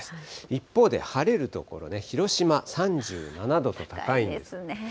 一方で、晴れる所で、広島３７度と高いですね。